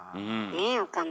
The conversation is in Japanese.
ねえ岡村。